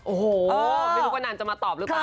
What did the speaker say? โอ้โหไม่รู้ว่านานจะมาตอบหรือเปล่า